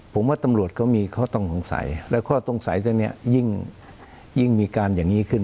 ผมว่าตำรวจเขามีข้อต้องคงใสและข้อต้องใสเท่านี้ยิ่งมีการอย่างนี้ขึ้น